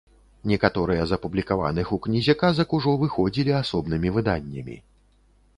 Некаторыя з апублікаваных у кнізе казак ужо выходзілі асобнымі выданнямі.